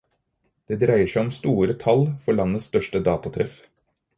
Det dreier seg om store tall for landets største datatreff.